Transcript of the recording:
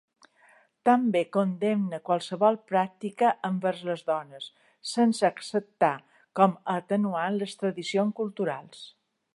També condemna qualsevol pràctica envers les dones, sense acceptar com a atenuant les tradicions culturals.